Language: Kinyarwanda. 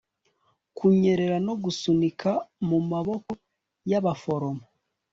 Kunyerera no gusunika mu maboko yabaforomo